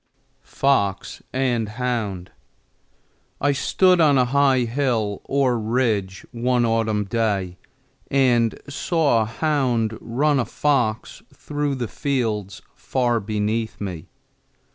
FOX AND HOUND. I STOOD on a high hill or ridge one autumn day and saw a hound run a fox through the fields far beneath me.